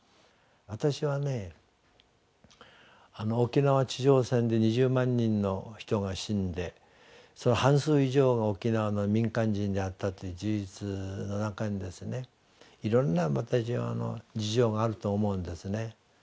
私はね沖縄地上戦で２０万人の人が死んでその半数以上が沖縄の民間人であったという事実の中にですねいろんな事情があると思うんですね。